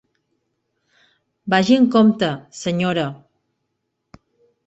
Vagi amb compte, senyora.